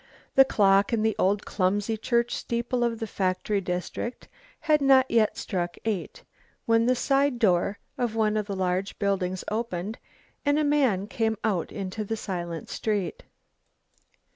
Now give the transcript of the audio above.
The clock in the old clumsy church steeple of the factory district had not yet struck eight, when the side door of one of the large buildings opened and a man came out into the silent street.